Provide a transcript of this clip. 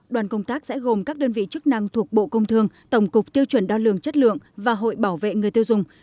đoàn công tác sẽ gồm các đơn vị chức năng thuộc bộ công thương tổng cục tiêu chuẩn đo lường chất lượng và hội bảo vệ người tiêu dùng